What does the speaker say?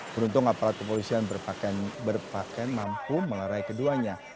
beruntung aparat kepolisian berpakaian mampu melerai keduanya